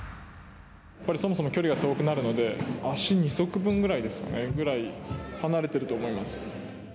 そもそも距離が遠くなるので、足２足分ぐらいですかね、離れていると思います。